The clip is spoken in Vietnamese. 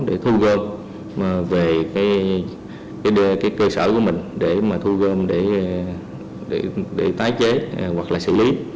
để thu gom về cơ sở của mình để thu gom để tái chế hoặc xử lý